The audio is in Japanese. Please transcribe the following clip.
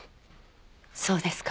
そうですか。